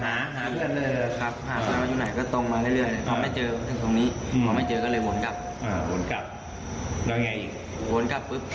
หาเสื้นนั่นเลยครับ